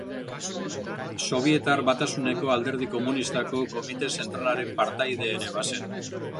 Sobietar Batasuneko Alderdi Komunistako Komite Zentralaren partaide ere bazen.